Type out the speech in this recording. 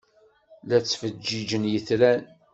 La ttfeǧǧiǧen yitran.